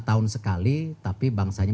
tahun sekali tapi bangsanya